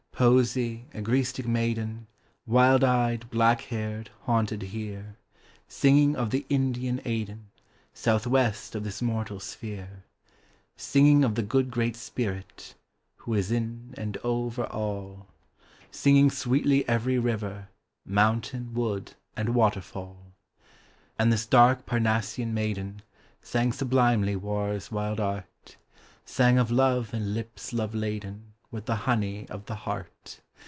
Poesy, agrestic maiden, Wild eyed, black haired, haunted here, Singing of the Indian Aiden, Southwest of this mortal sphere ; Singing of the good Great Spirit, Who is in and over all: >*^*? 11 122 MINNEHAHA. Singing sweetly every river, Mountain, wood, and waterfall. And this dark Parnassian maiden, Sang sublimely war's wild art; Sang of love and lips love laden With the honey of the heart.